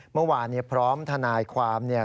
เมื่อวานพร้อมทนายความเนี่ย